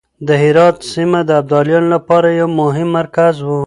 د هرات سيمه د ابدالیانو لپاره يو مهم مرکز و.